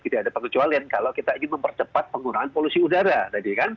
tidak ada kecualian kalau kita ingin mempercepat pengurangan polusi udara